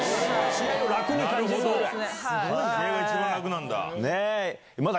試合が一番楽なんだ。